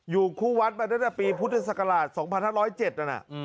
อยู่คู่วัฒน์ประเทศปีพุทธศักราช๒๕๐๗อันน่ะ